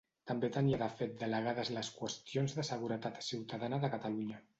També tenia de fet delegades les qüestions de seguretat ciutadana de Catalunya.